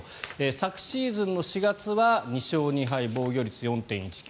昨シーズンの４月は２勝２敗防御率４．１９